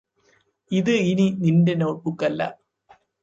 ഇത് ഇനി നിന്റെ നോട്ട്ബുക്കല്ല